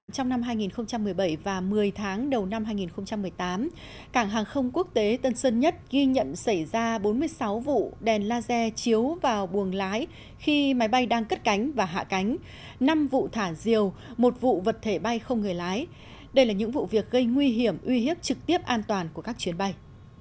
trong năm hai nghìn một mươi bảy và một mươi tháng đầu năm hai nghìn một mươi tám cảng hàng không quốc tế tân sơn nhất ghi nhận xảy ra bốn mươi sáu vụ đèn laser chiếu vào buồng lái khi máy bay đang cất cánh và hạ cánh năm vụ thả diều một vụ vật thể bay không người lái đây là những vụ việc gây nguy hiểm uy hiếp trực tiếp an toàn của các chuyến bay